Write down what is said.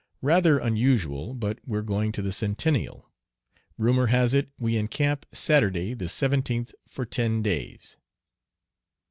Rather unusual, but we're going to the Centennial. Rumor has it we encamp Saturday the 17th for ten days.